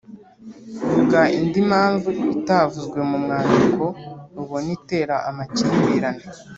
Vuga indi mpamvu itavuzwe mu mwandiko ubona itera amakimbirane